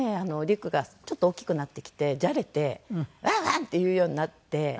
陸がちょっと大きくなってきてじゃれて「ワンワン！」って言うようになって。